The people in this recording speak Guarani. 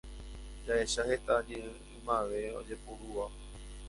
Jahecha heta ñe'ẽ ymave ojeporúva